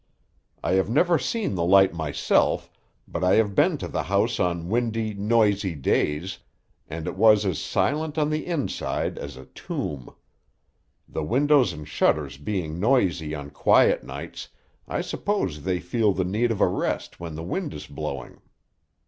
I have never seen the light myself, but I have been to the house on windy, noisy days, and it was as silent on the inside as a tomb. The windows and shutters being noisy on quiet nights, I suppose they feel the need of a rest when the wind is blowing."